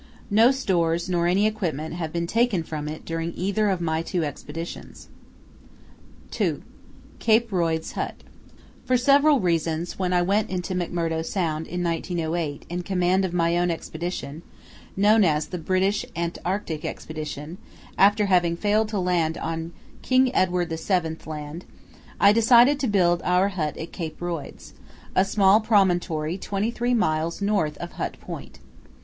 No stores nor any equipment have been taken from it during either of my two Expeditions. (2) CAPE ROYDS HUT For several reasons, when I went into McMurdo Sound in 1908 in command of my own Expedition, known as the British Antarctic Expedition, after having failed to land on King Edward VII Land, I decided to build our hut at Cape Royds—a small promontory twenty three miles north of Hut Point.